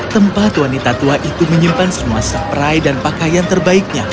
tempat wanita tua itu menyimpan semua supray dan pakaian terbaiknya